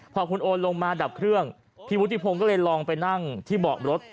พอคุณโอนลงมาดับเครื่องพี่วุฒิพงศ์ก็เลยลองไปนั่งที่เบาะรถ